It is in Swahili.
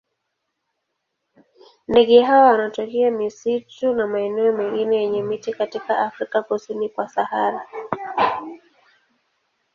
Ndege hawa wanatokea misitu na maeneo mengine yenye miti katika Afrika kusini kwa Sahara.